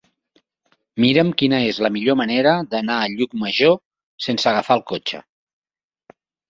Mira'm quina és la millor manera d'anar a Llucmajor sense agafar el cotxe.